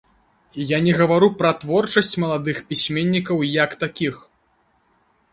Я не гавару пра творчасць маладых пісьменнікаў як такіх.